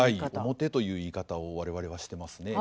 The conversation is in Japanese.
面という言い方を我々はしてますね。